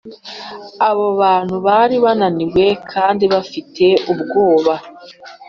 abo bantu bari bananiwe kandi bafite ubwoba,